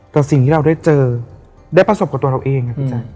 แต่สิ่งที่เราได้เจอได้ประสบกับตัวเราเอง